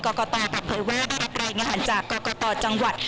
กตกับเพื่อว่าได้รับรายงานหลังจากกตจังหวัด